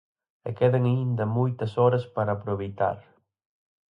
E quedan aínda moitas horas para aproveitar.